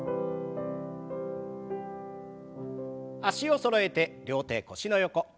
脚をそろえて両手腰の横。